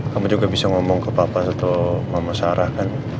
kamu juga bisa ngomong ke papa atau mama sarah kan